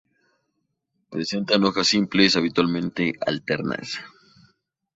Presentan hojas simples, habitualmente alternas.